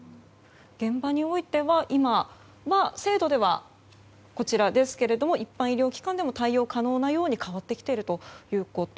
現場においては今は制度ではこちらですが一般医療機関でも対応可能なように変わってきているということ。